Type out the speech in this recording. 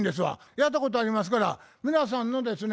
やったことありますから皆さんのですね